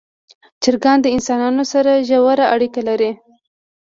چرګان د انسانانو سره ژوره اړیکه لري.